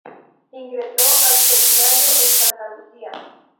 Ingresó al Seminario en Santa Lucía.